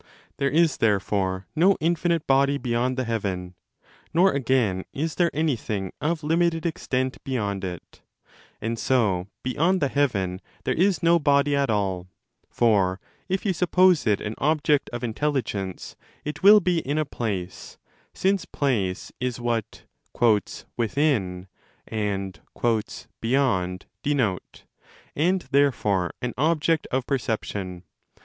There is therefore no infinite body beyond the heaven. Nor again is there anything of limited extent beyond it. And so 1 Called BF a few lines below. BOOK I. 7 beyond the heaven there is no body at all. For if you suppose it an object of intelligence, it will be in a place— since place is what 'within' and 'beyond' denote—and therefore an object of perception.